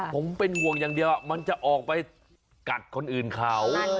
ผมเป็นห่วงอย่างเดียวมันจะออกไปกัดคนอื่นเขา